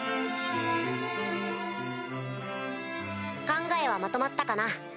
考えはまとまったかな？